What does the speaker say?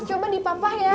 coba di pampah ya